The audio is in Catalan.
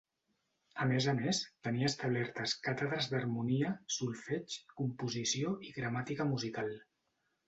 A més a més, tenia establertes càtedres d'harmonia, solfeig, composició i gramàtica musical.